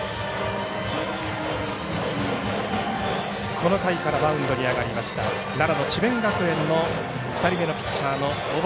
この回からマウンドに上がりました奈良の智弁学園の２人目のピッチャーの小畠。